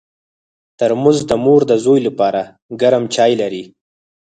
ترموز د مور د زوی لپاره ګرم چای لري.